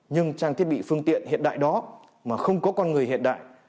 nhưng trang thiết bị phương tiện hiện đại đó mà không có con người hiện đại